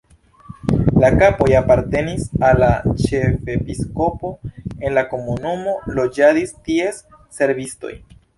La kampoj apartenis al la ĉefepiskopo, en la komunumo loĝadis ties servistoj.